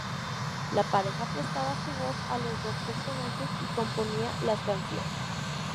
La pareja prestaba su voz a los dos personajes y componía las canciones.